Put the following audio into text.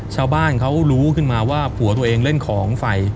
ชาวบ้านเขารู้ขึ้นมาว่าผัวตัวเองเล่นของไฟ